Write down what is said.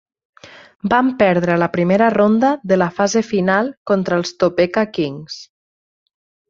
Van perdre a la primera ronda de la fase final contra els Topeka Kings.